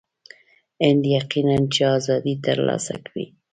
هند یقیناً چې آزادي ترلاسه کړي.